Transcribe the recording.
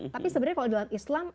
tapi sebenarnya kalau dalam islam